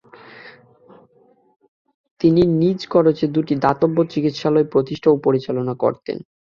তিনি নিজ খরচে দুইটি দাতব্য চিকিৎসালয় প্রতিষ্ঠা ও পরিচালনা করতেন।